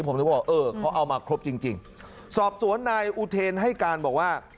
ผมถึงบอกเออเขาเอามาครบจริงจริงสอบสวนนายอุเทนให้การบอกว่า